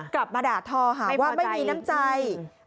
กลับมาด่าทอหาว่าไม่มีน้ำใจ